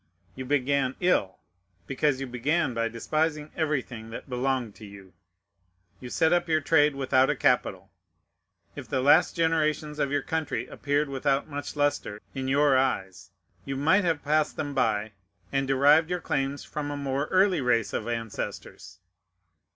You began ill, because you began by despising everything that belonged to you. You set up your trade without a capital. If the last generations of your country appeared without much lustre in your eyes, you might have passed them by, and derived your claims from a more early race of ancestors.